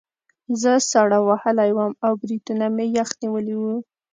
زه ساړه وهلی وم او بریتونه مې یخ نیولي وو